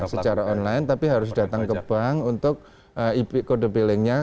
secara online tapi harus datang ke bank untuk kode billingnya